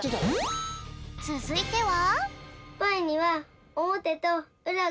つづいては。